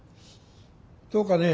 どうかね？